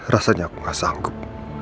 rasanya aku gak sanggup